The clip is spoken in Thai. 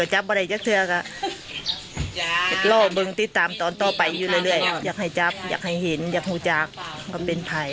ให้ตรวจฟันติดตามต่อไปอยู่เรื่อยอยากให้จับอยากให้เห็นอยากหูจักรว่าเป็นไพ